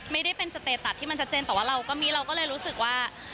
ไม่ได้เป็นสเตตัสที่มันชัดเจนแต่ว่าเราก็มีเราก็เลยรู้สึกว่า